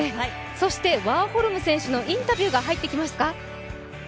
ワーホルム選手のインタビューが入ってきますか。